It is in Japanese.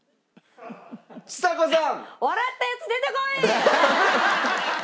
ちさ子さん！